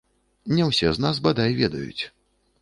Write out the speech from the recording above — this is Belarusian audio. Не ўсе з нас, бадай, ведаюць.